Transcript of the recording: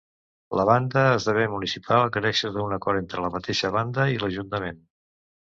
La banda esdevé municipal gràcies a un acord entre la mateixa banda i l'Ajuntament.